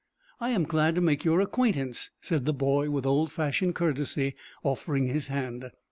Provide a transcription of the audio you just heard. "I am glad to make your acquaintance," said the boy, with old fashioned courtesy, offering his hand.